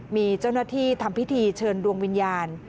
มีเจ้าหน้าที่ทำพิธีเชิญดวงวิญญาณ